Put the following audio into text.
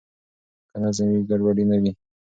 که نظم وي ګډوډي نه وي.